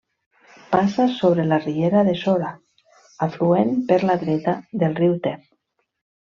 Passa sobre la riera de Sora, afluent per la dreta del riu Ter.